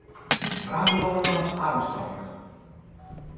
Brandon Armstrong